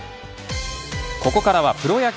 ここからはプロ野球。